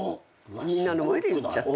みんなの前で言っちゃった。